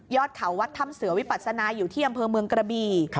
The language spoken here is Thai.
เขาวัดถ้ำเสือวิปัสนาอยู่ที่อำเภอเมืองกระบี